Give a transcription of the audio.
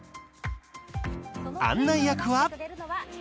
案内役は。